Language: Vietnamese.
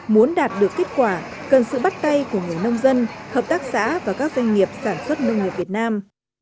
muốn đạt được kết quả cần sự bắt tay của người nông dân hợp tác xã và các doanh nghiệp sản xuất nông nghiệp việt nam